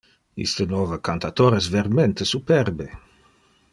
Iste nove cantator es vermente superbe.